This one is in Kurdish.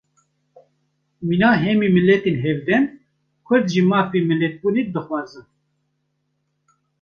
Mîna hemî miletên hevdem, Kurd jî mafê milletbûnê dixwazin